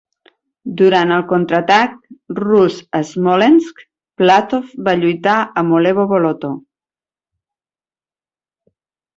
Durant el contraatac rus a Smolensk, Platov va lluitar a Molevo Boloto.